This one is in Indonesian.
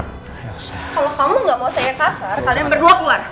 kalau kamu gak mau saya kasar kalian berdua keluar